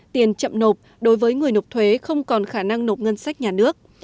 tiền chậm nộp đối với người nộp thuế không còn khả năng nộp ngân sách nhà nước